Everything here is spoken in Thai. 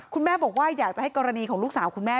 คุณแม่บอกว่าอยากจะให้กรณีของลูกสาวคุณแม่